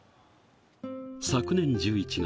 昨年１１月、